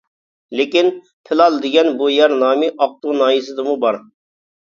لېكىن، «پىلال» دېگەن بۇ يەر نامى ئاقتۇ ناھىيەسىدىمۇ بار.